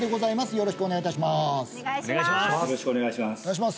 よろしくお願いします